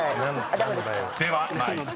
［では参ります］